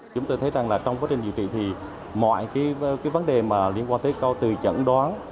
chúng tôi thấy rằng trong quá trình điều trị thì mọi vấn đề liên quan tới câu từ chẩn đoán